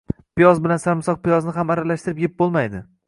Piyoz bilan sarimsoq piyozni ham aralashtirib yeb bo‘lmaydi.